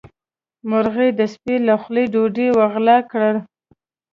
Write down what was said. مرغۍ د سپي له خولې ډوډۍ وغلا کړه.